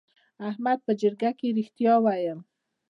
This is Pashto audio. احمد په جرګه کې رښتیا وویل.